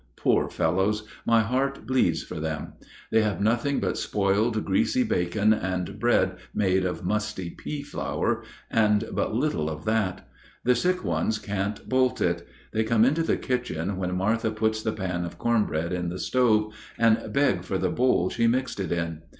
Poor fellows! my heart bleeds for them. They have nothing but spoiled, greasy bacon, and bread made of musty pea flour, and but little of that. The sick ones can't bolt it. They come into the kitchen when Martha puts the pan of corn bread in the stove, and beg for the bowl she mixed it in.